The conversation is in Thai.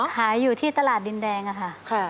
ขายอยู่ที่ตลาดดินแดงอะค่ะ